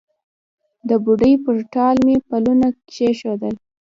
د بوډۍ پر ټال مې پلونه کښېښول